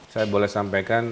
saya boleh sampaikan